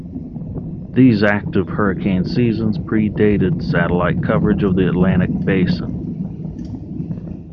These active hurricane seasons predated satellite coverage of the Atlantic basin.